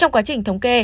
trong quá trình thống kê